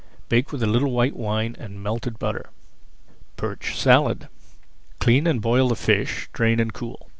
Bake with a little white wine and melted butter. PERCH SALAD Clean and boil the fish, drain, and cool.